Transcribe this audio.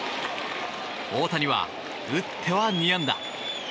大谷は打っては２安打。